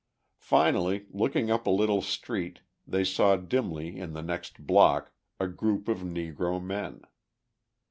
Finally, looking up a little street they saw dimly in the next block a group of Negro men.